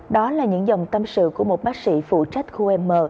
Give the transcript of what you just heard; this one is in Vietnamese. đó là những dòng tâm sự của một bác sĩ phụ trách khu m